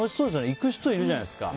行く人いるじゃないですか。